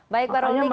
baik pak romli